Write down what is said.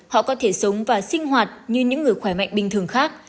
họ có thể sống và sinh hoạt như những người khỏe mạnh bình thường khác